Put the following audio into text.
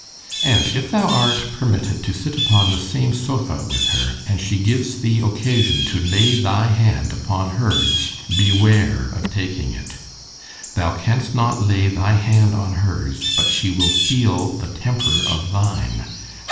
And if thou art permitted to sit upon the same sopha with her, and she gives thee occasion to lay thy hand upon hers—beware of taking it——thou canst not lay thy hand on hers, but she will feel the temper of thine.